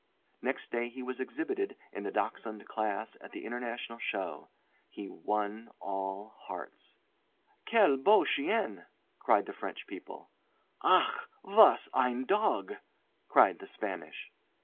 Next day he was exhibited in the Dachshund class at the International show. He won all hearts. "Quel beau chien!" cried the French people. "Ach! was ein Dog!" cried the Spanish.